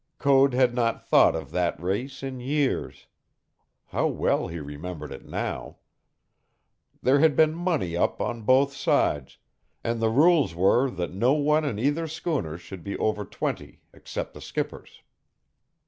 Code had not thought of that race in years. How well he remembered it now! There had been money up on both sides, and the rules were that no one in either schooner should be over twenty except the skippers.